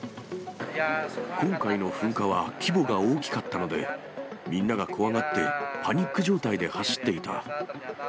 今回の噴火は規模が大きかったので、みんなが怖がって、パニック状態で走っていた。